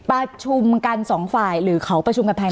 ประชุมกันสองฝ่ายหรือเขาประชุมกันภายใน